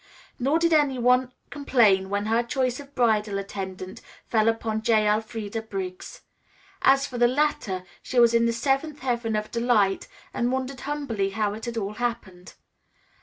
Nor did any one complain when her choice of bridal attendant fell upon J. Elfreda Briggs. As for the latter, she was in the seventh heaven of delight and wondered humbly how it had all happened.